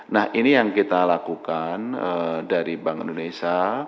nah ini yang kita lakukan dari bank indonesia